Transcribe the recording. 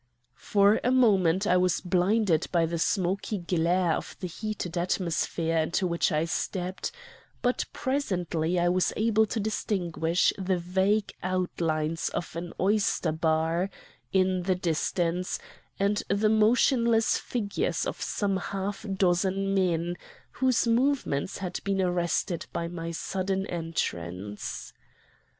For a moment I was blinded by the smoky glare of the heated atmosphere into which I stepped, but presently I was able to distinguish the vague outlines of an oyster bar in the distance, and the motionless figures of some half dozen men, whose movements had been arrested by my sudden entrance.